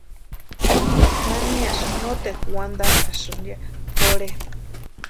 ¿Naniasï noteru wantanhasïni ya pʼorhe?